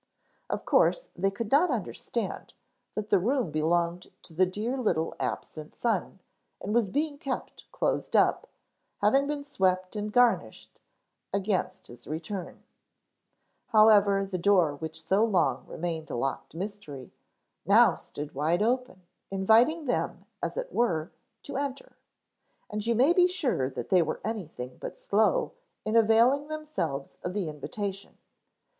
Of course they could not understand that the room belonged to the dear little absent son, and was being kept closed up, having been swept and garnished, against his return. However, the door, which so long remained a locked mystery, now stood wide open, inviting them, as it were, to enter. And you may be sure that they were anything but slow in availing themselves of the invitation.